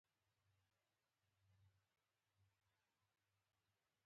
په یووالي موږ ډېر څه کولای شو پوه شوې!.